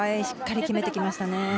しっかり決めてきましたね。